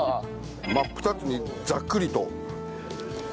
真っ二つにざっくりと。